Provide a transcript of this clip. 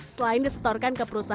selain disetorkan ke perusahaan